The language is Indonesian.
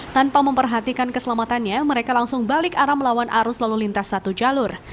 tanpa memperhatikan keselamatannya mereka langsung balik arah melawan arus lalu lintas satu jalur